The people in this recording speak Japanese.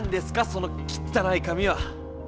そのきったない紙は。